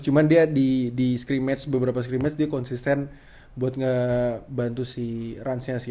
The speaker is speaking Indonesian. cuman dia di beberapa scrimmage dia konsisten buat ngebantu si ranz nya sih